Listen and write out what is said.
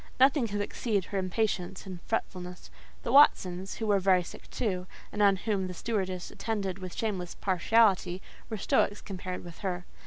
Nothing could exceed her impatience and fretfulness. The Watsons, who were very sick too, and on whom the stewardess attended with shameless partiality, were stoics compared with her.